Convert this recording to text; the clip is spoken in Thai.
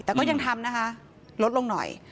แต่ก็ยังทำนะคะลดลงหน่อย